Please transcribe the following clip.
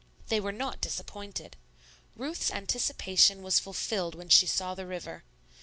They were not disappointed. Ruth's anticipation was fulfilled when she saw the river.